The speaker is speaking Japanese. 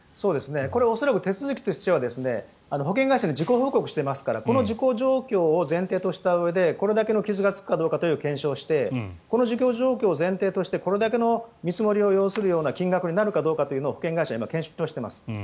手続きとしては保険会社に事故報告をしてますからこの事故状況を前提としたうえでこれだけの傷がつくかという検証をしてこの事故状況をしてこれだけの見積額を要することになるかどうかを保険会社は検証しています。